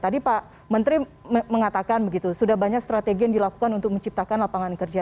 tadi pak menteri mengatakan begitu sudah banyak strategi yang dilakukan untuk menciptakan lapangan kerja